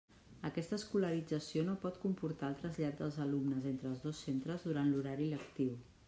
Aquesta escolarització no pot comportar el trasllat dels alumnes entre els dos centres durant l'horari lectiu.